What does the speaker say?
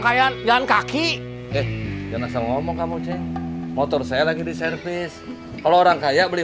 kaya jangan kaki eh jangan asal ngomong kamu ceng motor saya lagi di servis kalau orang kaya beli